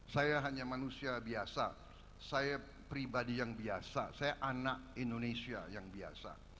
saya hanya manusia biasa saya pribadi yang biasa saya anak indonesia yang biasa